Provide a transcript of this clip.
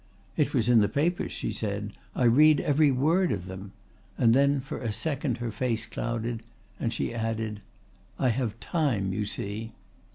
"It was in the papers," she said. "I read every word of them," and then for a second her face clouded, and she added: "I have time, you see."